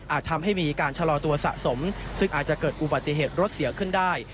ทำให้มีการชะลอตัวสะสมซึ่งอาจจะเกิดอุบัติเหตุรถเสียขึ้นได้